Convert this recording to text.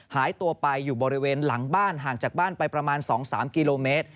หายตัวไปอยู่บริเวณหลังบ้านห่างจากบ้านไปประมาณ๒๓กิโลเมตร